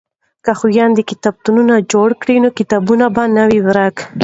که خویندې کتابتون جوړ کړي نو کتاب به نه وي ورک.